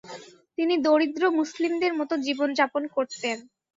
তিনি দরিদ্র মুসলিমদের মত জীবনযাপন করতেন।